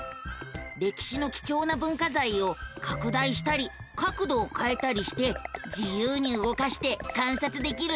歴史の貴重な文化財を拡大したり角度をかえたりして自由に動かして観察できるのさ。